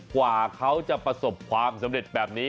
กว่าเขาจะประสบความสำเร็จแบบนี้